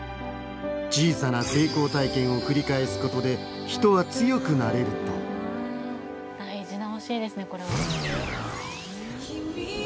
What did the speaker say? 小さな成功体験を繰り返すことで人は強くなれると大事な教えですねこれは。